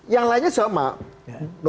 yang lainnya sama